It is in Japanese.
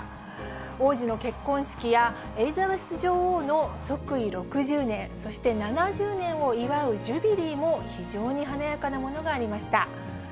王子の結婚式やエリザベス女王の即位６０年、そして７０年を祝うジュビリーも非常に華やかなものがありました。